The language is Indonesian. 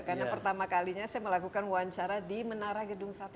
karena pertama kalinya saya melakukan wawancara di menara gedung sate